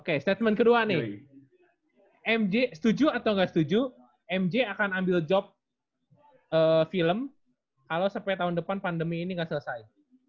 nah statement kedua nih mj setuju atau ga setuju mj akan ambil job film kalo sampe tahun depan pandemi ini ga selesai